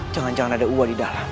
jangan jangan ada uap di dalam